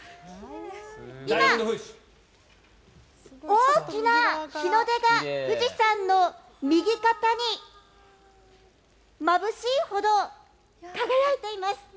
今、大きな日の出が富士山の右肩にまぶしいほど輝いています。